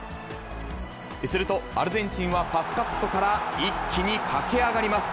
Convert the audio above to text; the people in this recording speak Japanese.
すると、アルゼンチンはパスカットから一気に駆け上がります。